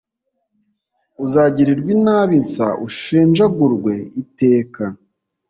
uzagirirwa inabi nsa ushenjagurwe iteka